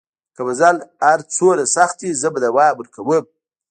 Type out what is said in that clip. که مزل هر څومره سخت وي زه به دوام ورکوم.